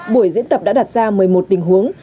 buổi diễn tập đã đặt ra một mươi một tình huống